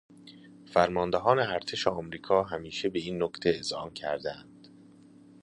فرماندهان ارشد ارتش آمریکا همیشه به این نکته اذعان کرده اند.